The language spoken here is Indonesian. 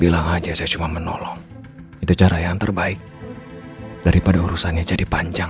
bilang aja saya cuma menolong itu cara yang terbaik daripada urusannya jadi panjang